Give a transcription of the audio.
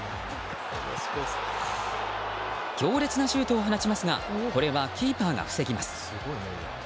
強烈なシュートを放ちますがこれはキーパーが防ぎます。